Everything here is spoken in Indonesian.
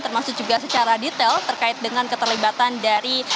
termasuk juga secara detail terkait dengan keterlibatan dari